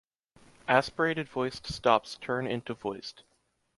Aspirated voiced stops turn into voiced.